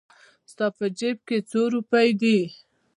ستا په جېب کې څو روپۍ دي؟